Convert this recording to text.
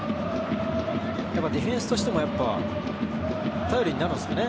ディフェンスとしてもやっぱり頼りになるんですね。